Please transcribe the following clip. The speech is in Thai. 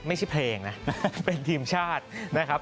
ไม่ใช่เพลงนะเป็นทีมชาตินะครับ